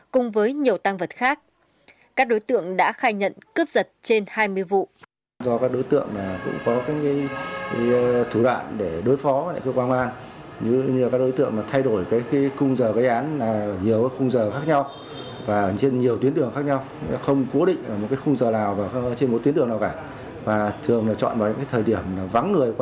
các đối tượng đã khai nhận cướp giật trên hai mươi vụ